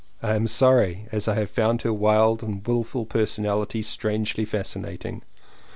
I am sorry, as I have found her wild and wilful personality strangely fascinating.